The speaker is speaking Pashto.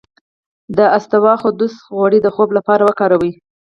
د اسطوخودوس غوړي د خوب لپاره وکاروئ